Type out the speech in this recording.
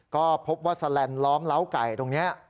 ก็พบว่าแสลนดล้อมเล้าไก่ตรงนี้